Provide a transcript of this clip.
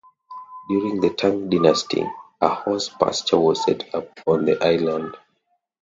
During the Tang Dynasty, a horse pasture was set up on the island.